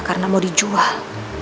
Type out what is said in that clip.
karena mau dijual